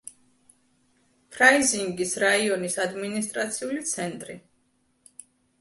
ფრაიზინგის რაიონის ადმინისტრაციული ცენტრი.